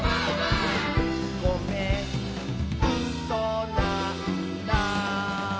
「ごめんうそなんだ」